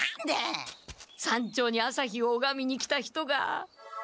山頂に朝日をおがみに来た人が。